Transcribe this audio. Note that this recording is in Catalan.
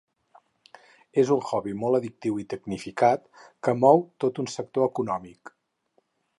És un hobby molt addictiu i tecnificat que mou tot un sector econòmic.